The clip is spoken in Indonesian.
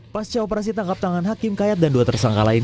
pasca operasi tangkap tangan hakim kayat dan dua tersangka lain